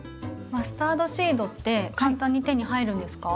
マスタードシードって簡単に手に入るんですか？